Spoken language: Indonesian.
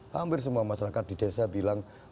hampir semua masyarakat di desa bilang